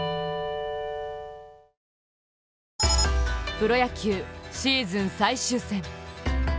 プロ野球、シーズン最終戦。